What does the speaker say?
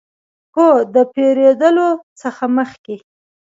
هو، د پیرودلو څخه مخکې